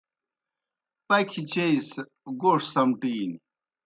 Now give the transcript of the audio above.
پکھیْ چیئی سہ گوݜ سمٹِینیْ۔